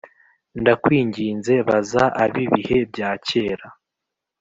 “ndakwinginze baza ab’ibihe bya kera,